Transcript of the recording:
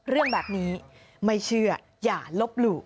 เรื่องแบบนี้ไม่เชื่ออย่าลบหลู่